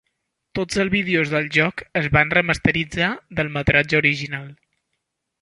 Tots els vídeos del joc es van remasteritzar del metratge original.